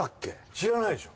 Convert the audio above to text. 知らないでしょ？